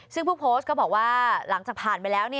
ซึ่งผู้โพสต์ก็บอกว่าหลังจากผ่านไปแล้ว